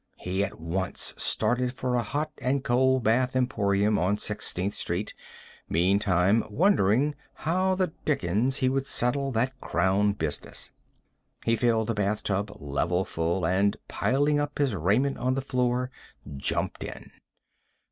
He at once started for a hot and cold bath emporium on Sixteenth street, meantime wondering how the dickens he would settle that crown business. He filled the bath tub level full, and, piling up his raiment on the floor, jumped in.